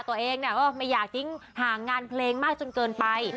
เอาให้ฟังว่าตัวเองเนี่ยไม่อยากทิ้งหางานเพลงมากจนเกินไป